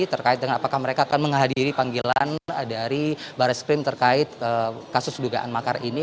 terkait dengan apakah mereka akan menghadiri panggilan dari baris krim terkait kasus dugaan makar ini